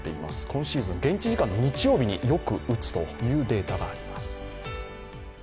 今シーズン現地時間の日曜日によく打つというデータがあります。